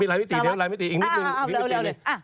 มีหลายมิติเดี๋ยวหลายมิติอีกนิดนิดนิดนิดนิด